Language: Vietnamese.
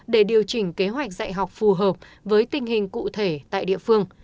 để điều chỉnh kế hoạch dạy học phù hợp với tình hình cụ thể tại địa phương